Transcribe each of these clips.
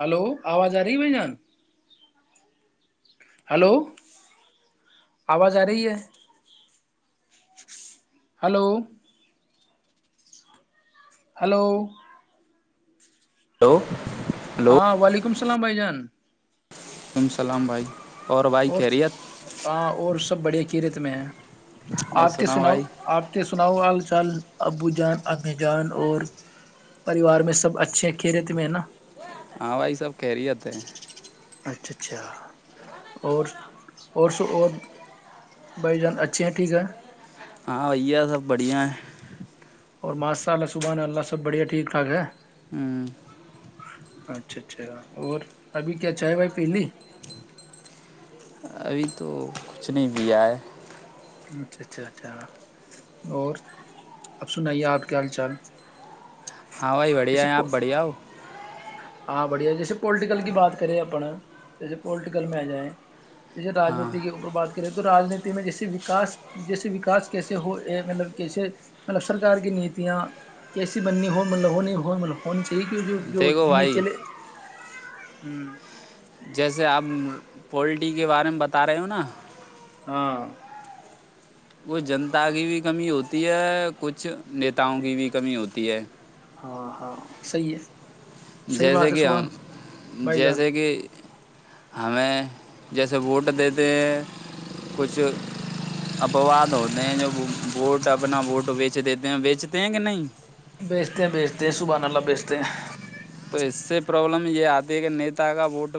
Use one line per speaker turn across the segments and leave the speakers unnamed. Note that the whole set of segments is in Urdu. ہلو آواز آ رہی ہے بھائی جان ہلو آواز آ رہی ہے ہلو ہلو
ہلو
ہاں وعلیکم اسسلام بائی جان
امسلام بھائی بھائی
اور
خیریت
ہاں اور سب بڑھیا قرت میں ہے
اور
آپ کے سناؤ
بھائی
آپ کے سناؤ آل کل ابو جان ابنے جان اور پریوار میں سب اچھے ہیں کھی رہتے میں ہے نا
ہاں بائی سب کہریی تھ
اچھا اچھا اور اور سو اور بائی جانس اچھے ہیں ٹھیک ہے
ہاں ا ہے سب بڑیا ہیں
[inaudible]
ہوں
اچھا اچھا اور ابھی کیا چائےے بھائی پہلی
ابھی تو کچھ نہیں بھی آ ہے [unintelligible]
اچھا اچھا اچھا اور اب سنائیے آپ کیا حال چال [unintelligible]
ہاں بھائی بڑھیا
جیسے
ہیں آپ بڑھیا ہو
ہاں بڑھیا جیسے پولٹیکل کی بات کریں اپن جیسے پولٹیکل میں آ جائیں جیسے
ہاں
رانیتی کے اوپر بات کریں تو راجنیتی میں جیسے واس جیسے وکا کیسے ہو مطلب کیسے مطلب سرکار کی نیتیاں کیسی بننی ہول ہونی ہو ہونی ٹھیک جو جو
دیکھو
[unintelligible]
بھائی
نیچل [unintelligible] ہوں [unintelligible]
جیسے آپ پولٹیری کے بارے میں بتا رہے ہو نا
ہاں [unintelligible]
کچھ جنتا کی بھی کمی ہوتی ہے کچھ نیتاؤں کی بھی کمی ہوتی ہے
ہاں ہاں صحی ہے صحیح بات
جیسے
ہے
کہ
سبحان
ہم
بھائی جان
جیسے کہ ہمیں جیسے ووٹ دیتے ہیں کچھ اپواد ہوتے ہیں جو ووٹ اپنا ووٹ بیچ دیتے ہیں بیچتے ہیں کہ نہیں
بیچتے ہیں بیچتے ہیں صبحا بیچتے ہیں
تو اس سے پرابلم یہ آتی ہے کہ نیتا کا ووٹ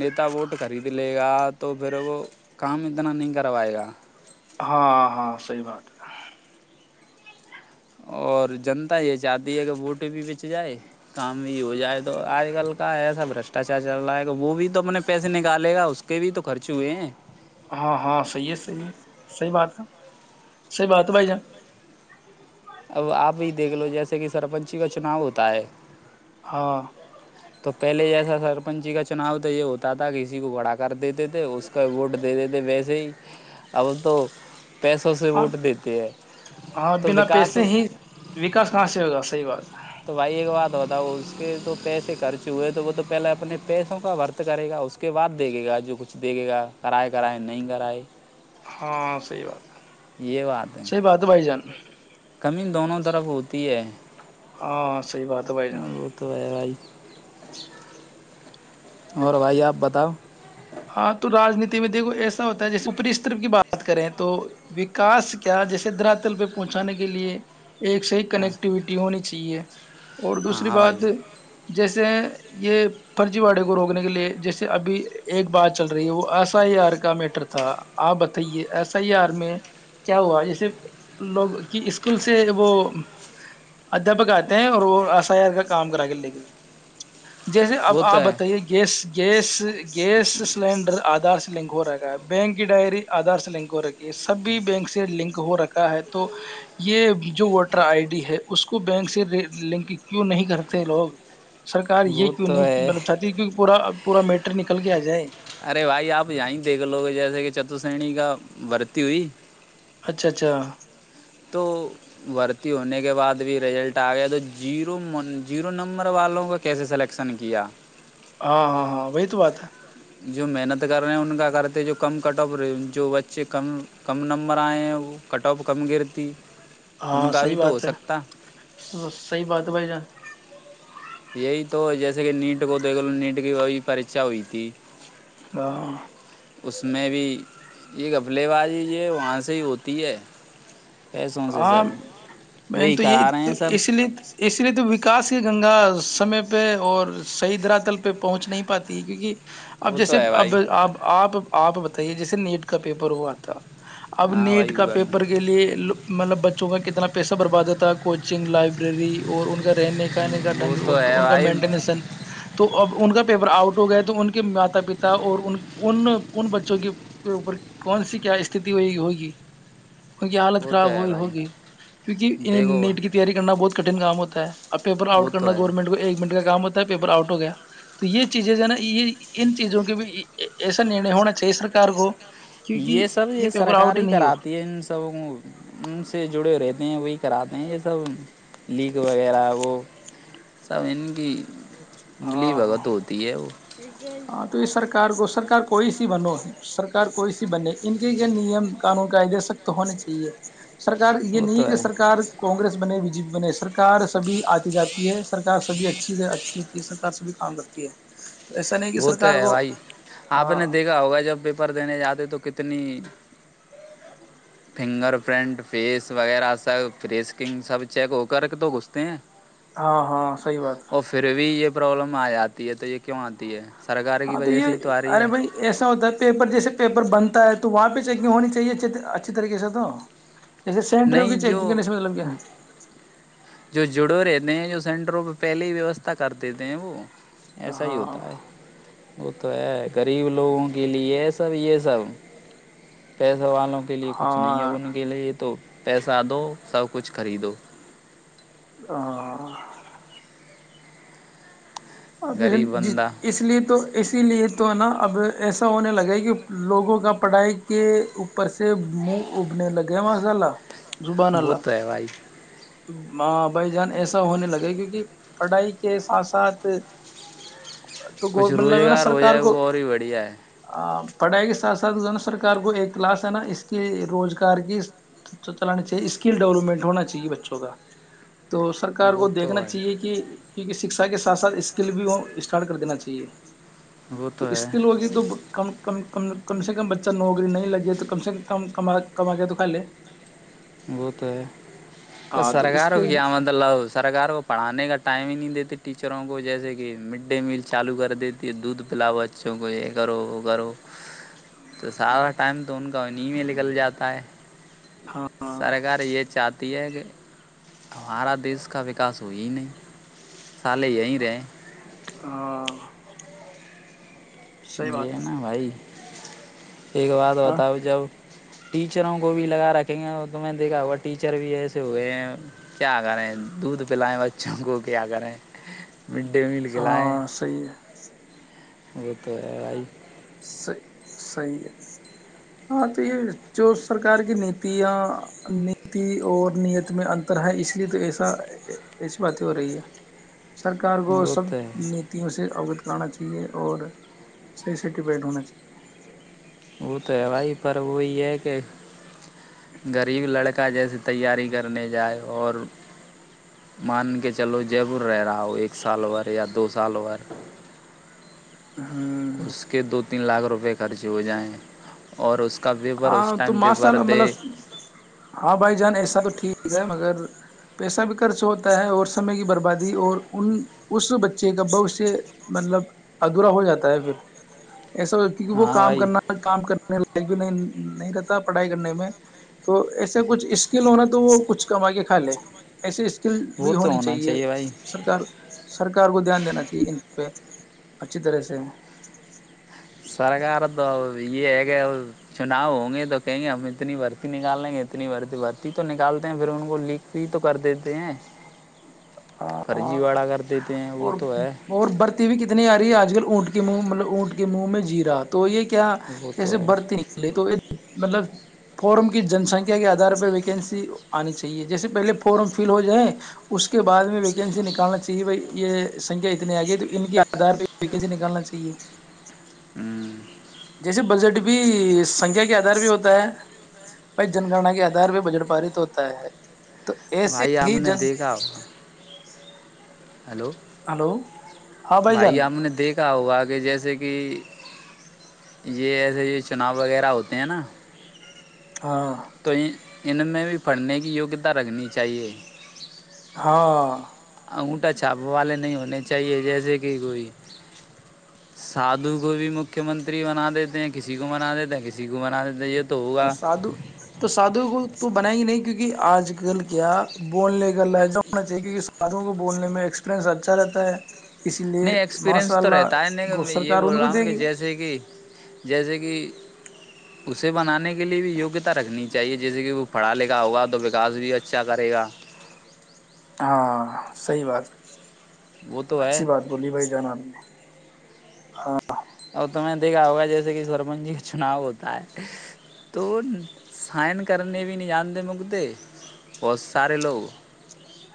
نیتا ووٹ خرید لے گا تو پھر وہ کام اتنا نہیں کروائے گا [unintelligible]
ہاں ہاں صحیح بات ہے
اور جنتا یہ چاہتی ہے کہ بوٹ بھی بچ جائے کام بھی ہو جائے تو آج کل کا ایسا بشٹاچار چل رہا ہے کہ وہ بھی تو اپنے پیسے نکالے گا اس کے بھی تو خرچ ہوئے ہیں [unintelligible]
ہاں ہاں صحی ہے صحیح ہے صحیح بات ہے صحیح بات ہے بھائی جان
اب آپ ہی دیکھ لو جیسے کہ سرپنچی کا چناؤ ہوتا ہے
ہاں [unintelligible]
تو پہلے جیسا سرپنچی کا چناؤ تو یہ ہوتا تھا کہ کسی کو بھڑا کر دیتے تھے اس کا ووٹ دے دیتے [unintelligible] وسے ہی اب تو [unintelligible] سے
ہاں
ووٹ دیتے ہیں
ہاں
تو
بنا
وکاس
پیسے ہی وکاس کہاں سے ہوگار [unintelligible] صحیحات ہے [unintelligible]
تو بھائی ایک بات بتاؤ اس کے تو پیسے خرچ ہوئے تو وہ تو پہلے اپنے پیسوں کا وورت کرے گا اس کے بعد دیکھے گا جو کچھ دیکھے گا کرائے کرائے نہیں کرائے
ہاں سحی بات
یہ بات ہے
س باتات بھائی جان
کمی دونوں طرف ہوتی ہے
ہاں صحیح
وہ تو ہے بھائی
اچھا [unintelligible]
اور بھائی آپ بتاؤ
ہاں تو رانیتی میں دیکھو ایسا ہوتا ہے جیسے اپری استر کی بات کریں تو وکاس کیا جیسے دراتل پہ پہنچانے کے لیے [unintelligible] ایک صی
ہاں
کنیکٹیویٹی ہونے کی [unintelligible] چی ہے اور دوسری
ہاں بھائی
بات جیسے یہ فرجی واڑے کو روکنے کے لیے جیسے ابھی [unintelligible] ایک بات چل رہی ہے وہ ایس آئی آر کا میٹر تھا آپ بتائیے ایس آئی آر میں کیا ہوا جیسے لوگ کی اسکول سے وہ ادھیاپک آتے ہیں اور وہ ایس آئی آر کا کام کرا کے لے کے جیسے اب
وہ تو
آپ
ہے
بتائیے gas gas gas cylinder Aadhaar سے لنک ہو رہا بینک کی ڈائری آدھار سے لک ہو رکی ہے سب بھی بینک سے لنک ہو را ہے تو یہ جو ووٹر آئی ڈی ہے اس کو بینک سے لنک کیوں نہیں کرتے لوگ سرار یہ
وہ
کیوں
تو
نہیں
ہے
مطلب چاہتی کیہ پورا پور میٹر نہیں [unintelligible] نکل کے آ جائے [unintelligible]
ارے بھائی آپ جیں دیکھ لوگ جیسے کہ چتر سنی کا ورتی ہوئی
اچھا اچھا
تو ھرتی ہونے کے بعد بھی رزلٹ آ گیا تو جیرو جیرو نمبر والوں کا کیسے سلیکشن کیا
ہاں ہاں ہاں وہی تو بات ہے
جو محنت کر رہے ہیں ان کا کرتے جو کم کٹ آف رہے جو بچے کم کم نمبر آئے ہیں وہ کٹ آف کم گرتی
ہاں
ان کا
صحی
بھی تو
بات
ہو
ہے
سکتا
صحی بات ہے بھائی جان
یہی تو جیسے کہ نیٹ کو دیکھ لو نیٹ کی وہی پیچا ہوئی تھی
ہ [unintelligible]
اس میں بھی یہ گفلے بازی یہ وہاں سے ہی ہوتی ہے پیسوں سے
ہاں
سب
میں
وہی
تو یہ
کرا رہے
تو
ہیں سب
اس لیے اس لیے تو وکاس ہی گنگا سمے پہ اور صحیح دراتل پہ پہنچ نہیں پاتی ہے کیونکہ اب
وہ
جیسے
تو ہے
اب
بھائی
آ آپ آپ بتائیے جیسے نیٹ کا پیپر ہوا تھا اب
ہاں
نیٹ
بھائی
کا
ہوا میں
پیپر کے لیے مطلب بچوں کا کتنا پیہ بروا دیتا تھا کوچنگ لائف ری اور ان کا رہنے کانے کا
وہ
ڈنگ
تو ہے
ان کا
بھائی
مٹن تو ا ان کا پیپر آؤٹ ہو گئے تو ان کے ماتا پتا اور ان ان بچوں کے اوپر کون سی کیا است ہوگی ان کی ہال
وہ تو
خراب
ہے
ہوئی
بھائی
ہوگی کیونکیں
دیکھو
نیٹ کی تیاری کرنا بہت کٹھن کام ہوتا ہے اب پیپر
وہ
آؤٹ
تو
کرنا
ہے
گورنمنٹ کو ایک منٹ کا کام ہوتا ہے پیپر آؤٹ ہو گیا تو یہ چیزیں ہے نا یہ ان چیزوں کے بھی ایسا نرنے ہونا چاہیے سرار کو کیونکہ
یہ سب یہ
پیپر
سرکار
آؤٹ
ہی
نہیں ہو
کراتی ہے ان سب کو ان سے جڑے رہتے ہیں وہی کراتے ہیں یہ سب لییک وغیرہ وہ سب ان کی بلی
ہاں
بگ تو ہوتی ہے وہ
ہاں تو یہ سرار کو سرار کوئی سی بنو سرک کوئی سی بنے ان کے یہ نیم قانون کا آدے سک تو ہونے چاہیے سرار یہ
وہ
نہیں ہے
تو
کہ سرک کگریس بنے بی جے پی نہیں سرکار سبھی آتی جاتی ہے سرکار سبھی اچھی اچھی ہوتی ہے سرک سبھی کام کرتی ہے تو ایسا نہیں کہ
وہ تو
سرکار
ہے
کو
بھائی آپ
ہاں
نے دیکھا ہوگا جب پیپر دینے جاتے تو کتنے اتنی [unintelligible] فنگر پرنٹ فیس وغیرہ سب فریسکنگ سب چیک ہو کر کے تو گھستے ہیں
ہاں ہاں صحیح بات ہے
اور پھر بھی یہ پرابلم آ جتی ہے تو یہ کیوں آتی ہے تی ہے [unintelligible]
ہاں تو یہ ارے بھائی ایسا ہوتا ہے پیپر جیسے پیپر بنتا ہے واپس چنگ ہونی چاہیے اچ اچھی طریقے سے تو جسے س انٹر
نہیں جو
چگ سے مطلب کیا
نئے جو سینٹروں پہ پہلے ہی ویوستھا کر دیتے ہیں وہ ایسا ہی
ہاں
ہوتا ہے وہ تو ہے غریب لوگوں کے لیے یہ سب یہ سب پس والوں کے لیے کچھ نہیں ہے
ہاں
ان کے لیے تو پیسہ دو سب کچھ خریدو
ہ [unintelligible] اور ج
غریب
ج
بندہ
اس لیے تو اسی لیے تو تو ہے نا اب ایسا ہونے لگے کہ لوگوں کا پڑھائی کے اوپر سے منہ ابنے لگے مسالہ
وہ تو ہے بھائی
بائی جان ایسا ہونے لگے کیونکہ پڑھائی کے ساتھ ساتھ تو
کچھ
گ مطلب ہے نا
روزگار ہو
سرکار
جائے
کو
وہ اور ہی بڑھیا ہے
پڑھائی کے ساتھ ساتھ جو ہے نا سرار کو ایک کلاس ہے نا اس کے روزگار کی چلانی چاہیے اسکل ڈیولپمنٹ ہونا چاہیے بچوں ہو [unintelligible] تو سرکار کو
وہ تو
دیکھنا
بھائی
چاہیے کہ کیونک شکھا کے ساتھ سھ اسکل بھی اسٹارٹ کر دینا چاہیے
وہ
تو
ہے
اسکل ہوگی تو کم کم کم سے کم بچہ نوکری نہیں لگے تو کم سے کم کم کما گیا تو کا لے
گوت [unintelligible] تو
ہاں
سرکوں
اسکل بھی
کیا مطلب سرار کو پڑھانے کا ٹائم ہی نہیں دیتا ٹیچروں کو جیسے کہ مڈ ڈے میل چالو کر دیتی ہے دودھ پلاؤ بچوں کو یہ کرو وہ کرو تو ساراا ٹائم تو ان کا تو انیں میں نکل جاتا ہے
ہاں
سرکار یہ چاہتا کہ ہمارا دیش کا وکاس ہوئی نہیں سالے یہیں رہے [unintelligible]
ہاں صحیح
یہ
بات
نا بھائی ایک بات
ہے ہاں
بتاؤ جب ٹیچروں کو بھی لگا رکھیں گے اور تو میں نے دیکھا ہوا ٹیچر بھی ایسے ہوئے ہیں کیا کریں دودھ پلائے بچوں کو کیا کریں مڈ ڈے میل کےائے
ہاں صحیح ہے
وہ توئی [unintelligible]
صحیح ہے ہاں تو یہ جو سرکار کی نیتیا نیتی اور نیت میں انتر ہے اس لیے تو ایسا ایسی باتیں ہو رہی ہے سرکار کو
وہ
سب
تو ہے
نیتیوں سے اوگت ا چاہیے اور صی سٹیفائٹ ہونا چاہیے
وہ تو ہے بھائی پر وہی ہے کہ غریب لڑکا جیسے تیاری کرنے جائے اور مان کے چلو جبور رہ رہا ہو ایک سال ور یا دو سال ور
ہاں
اس کے دو تین لاکھ روپئے خرچ ہو جائیں اور اس کے
ہاں تو ماشاء اللہ مطلب ہاں بھائی جان ایسا تو ٹھیک ہے مگر پیسہ بھی خرچ ہوتا ہے اور سمے کی بربادی اور ان اس بچے کا بوشیہ مطلب ادھورا ہو جاتا ہے پھر ایسا کیونکہ وہ
ہاں
کام
بھائی
کرنا کام کرنے لائ پ نہیں نہیں رہتا پڑھائی کرنے میں تو ایسے کچھ اسکل ہونا تو وہ کچھ کما کے کھا لے ایسے ل بھی
وہ تو
ہونی
ہونا
چاہیے
بھائی
سرکار سرکار کو دھیان دینا چاہیے ان پہ اچھی طرح سے
سرکار تو اب یہ ہے کہ چناؤ ہوں گے تو کہیں گے ہم اتنی بھرتی نکال لیں گے اتنی بھر بھرتی تو نکالتے ہیں پھر ان کو لکھ بھی تو کر دیتے ہیں فرضی
ہاں
واڑہ کر دیتے ہیں وہ
اور
تو ہے
اور برتی بھی کتنی آ رہی ہے آج کل اونٹ کے منہ مطلب اونٹ کے منہ میں جییرا تو یہ کیا
وہ
کیا
تو
جسے
ہے
برتے نکلے تو مطلب فارم کی جنسنکھیا کے آدار پر ویکینسی آنی چاہیے جیسے پہلے فارم فل ہو جائیں اس کے بعد میں ویکینسی نکالنا چاہے بھ یہ سنکھیا اتنے آ گئی تو ان کے آدار پہ پ کی سےے نکالنا چاہیے
ہوں
جیسے بجٹ بھی سنکھیا کے آدار بھیہ ہوتا ہے بھائی جن گننا کے آدھار آدار پ بجٹ پارت ہوتا ہے تو ایسے
بھائی آپ
ہی
نے
جن
دیکھا ہوگا ہلو
ہلو ہاں بھائی جان
اھ کیا ہوگا کہ جیسے کہ یہ ایسے یہ چناؤ وغیرہ ہوتے ہیں نا
ہاں
تو ان میں بھی پڑھنے کی یگیہتا رکھنی چاہیے
ہاں
انٹا چھاپ والے نہیں ہونے چاہیے جیسے کہ کوئی سادھو کو بھی مکھی منتری بنا دیتے ہیں کسی کو بنا دیتے ہیں کسی کو بنا دیتے ہیں یہ تو
تو
ہوگا
سادھو تو سادھو کو تو بنا ہی نہیں کیونکہ آج کل کیا بولنے کا لہجہ ہونا چاہیے کیونکہ ساتھوں کو بولنے میں ایکسپریئنس اچھا رہتا ہے اسی لیے
نہیں
ماشاء
ایکسپریئنس تو
اللہ
رہتا ہے نہیں کہ
گو
میں یہ
سرکار
بول
ان کو
رہا
دے
ہوں کہ
گی
جیسے کہ جیسے کہ اسے بنانے کے لیئے بھی یگیہتا رکھنی چاہیے جیسے کہ وہ پڑھا لکھا ہوگا تو وکاس بھی اچھا کرے گا
ہاں صحی بات
وہ تو
اچھی
ہے
بات بولی بھائی جانب میں [unintelligible] ہاں [inaudible]
اور تو میں نے دیکھا ہوگا جیسے کہ سرپنچ جی کا چناؤ ہوتا ہے تو سائن کرنے بھی نہیں جانتے مکتے بہت سارے لوگ [unintelligible]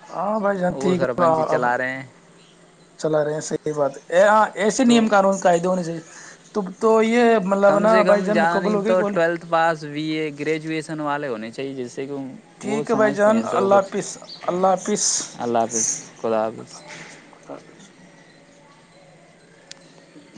ہاں بھائی جان
وہ
ٹھیک
سرپنچ ہی
ہےپ
چلا رہے ہیں
[unintelligible] چلا رہے ہیں صحیح باتاں [unintelligible] ایسے
تو
نیم قانون قائدے ہونے سے [unintelligible] تب تو [inaudible] مطلب
کم
نا
سے کم
بھائی جان مکمل
جیں
ہو گئی
تو
گولی
ٹویلتھ پاس وی اے گریجویشن والے ہونے [unintelligible] چاہیے جسے [inaudible] وہ
ٹھیک ہے بھائی
سمجھتے
جان
ہیں سب
اللہ حافظ اللہ حافظ
کچھ اللہ حافظ خدا حافظ
خدا حافظ
[unintelligible]